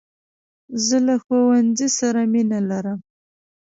زه له ښوونځۍ سره مینه لرم .